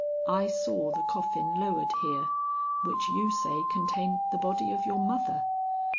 I saw the coffin lowered here, which you say contained the body of your mother.